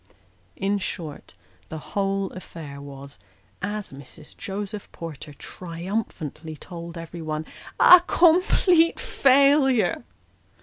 In short, the whole affair was, as Mrs. Joseph Porter triumphantly told everybody, "a complete failure."